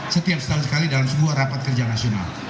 setiap setahun sekali dalam sebuah rapat kerja nasional